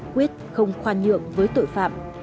quyết không khoan nhượng với tội phạm